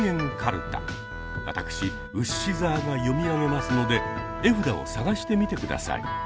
わたくしウシ澤が読み上げますので絵札を探してみてください。